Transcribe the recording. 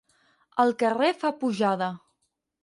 El carrer fa pujada.